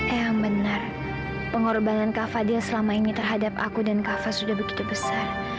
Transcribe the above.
eh yang benar pengorbanan kava dia selama ini terhadap aku dan kava sudah begitu besar